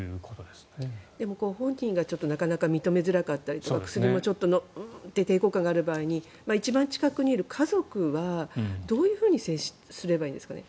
でも、本人がなかなか認めづらかったりとか薬も抵抗感がある場合に一番近くにいる家族はどういうふうに接すればいいんですかね。